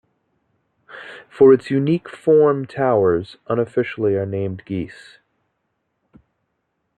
For its unique form towers unofficially are named "geese".